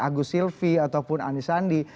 agus silvi ataupun anisandi